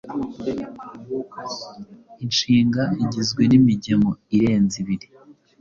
inshinga igizwe n’imigemo irenze ibiri,